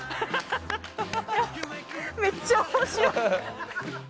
めっちゃ面白い！